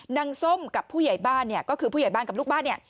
นางส้มกับผู้ใหญ่บ้านก็คือผู้ใหญ่บ้านกับลูกบ้าน